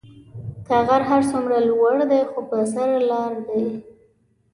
كه غر هر سومره لور دي خو به سر ئ لار دي.